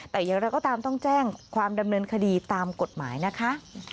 แต่อย่างไรก็ตามต้องแจ้งความดำเนินคดีตามกฎหมายนะคะ